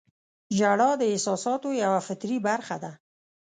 • ژړا د احساساتو یوه فطري برخه ده.